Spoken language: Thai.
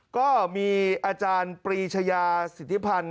ก็มีอาจารย์ปรีชายาสิทธิพันธ์